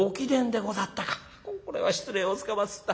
これは失礼をつかまつった。